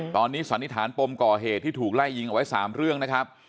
ตอนนี้สันนิษฐานปมก่อเหตุที่ถูกไล่ยิงเอาไว้๓เรื่องนะครับ